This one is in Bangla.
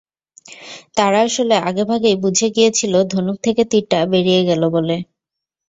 তারা আসলে আগেভাগেই বুঝে গিয়েছিল, ধনুক থেকে তিরটা বেরিয়ে গেল বলে।